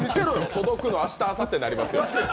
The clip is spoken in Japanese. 届くの、明日あさってになりますよ。